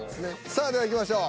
さあではいきましょう。